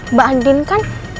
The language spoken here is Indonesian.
mbak andin kan